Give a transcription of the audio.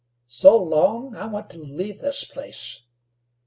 "So long? I want to leave this place."